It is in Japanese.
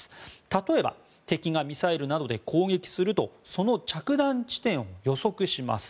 例えば、敵がミサイルなどで攻撃するとその着弾地点を予測します。